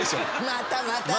「またまた！」